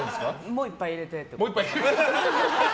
もう１杯入れてって。